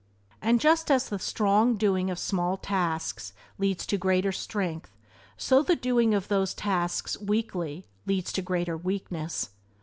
And just as the strong doing of small tasks leads to greater strength, so the doing of those tasks weakly leads to greater weakness.